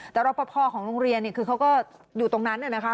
แต่รอปภของโรงเรียนคือเขาก็อยู่ตรงนั้นนะคะ